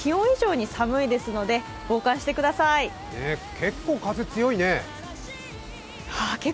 結構風強いね。